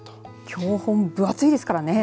教本、分厚いですからね。